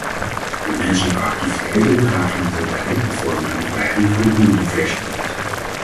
De menselijke activiteiten dragen hier toe bij en vormen een bedreiging voor de biodiversiteit.